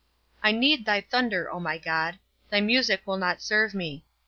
I need thy thunder, O my God; thy music will not serve me.